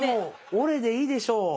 「おれ」でいいでしょう。